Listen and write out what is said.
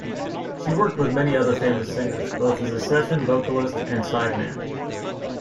She worked with many other famous singers, both as a session vocalist and sideman.